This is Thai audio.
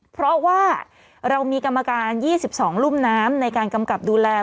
เพราะว่าเรามีกรรมการ๒๒รุ่มน้ำในการกำกับดูแล